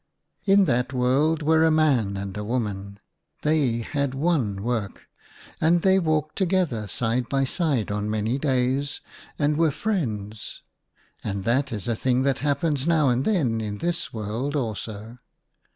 In that world were a man and woman; they had one work, and they walked together side by side on many days, and were friends — and that is a thing that happens now and then in this world also.